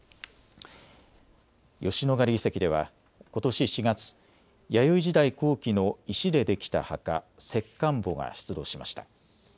吉野ヶ里遺跡ではことし４月、弥生時代後期の石でできた墓、石棺墓が出土しました。